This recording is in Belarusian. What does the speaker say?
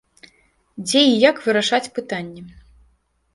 Дзе і як вырашаць пытанні.